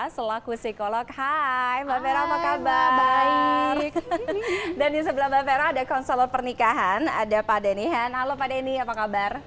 selaku psikolog hai mbak vera apa kabar baik dan disebelah mbak vero ada konsul pernikahan ada pak denihan halo pak deni apa kabar